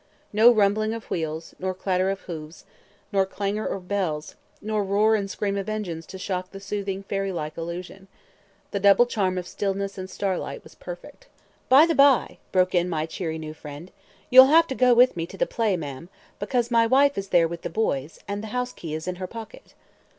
No rumbling of wheels, nor clatter of hoofs, nor clangor of bells, nor roar and scream of engines to shock the soothing fairy like illusion. The double charm of stillness and starlight was perfect. "By the by," broke in my cheery new friend, "you'll have to go with me to the play, ma'm; because my wife is there with the boys, and the house key is in her pocket."